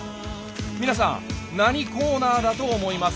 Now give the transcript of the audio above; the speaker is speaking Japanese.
皆さん何コーナーだと思いますか？